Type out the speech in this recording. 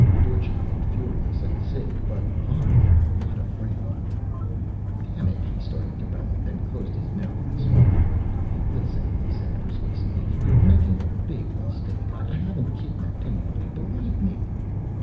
Dorchin looked furious and sick but, oddly, not afraid. "Damn it " he started to bellow, then closed his mouth and swallowed. "Listen," he said persuasively, "you're making a big mistake. I haven't kidnapped anybody, believe me!"